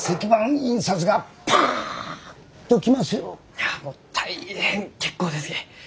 いやもう大変結構ですき！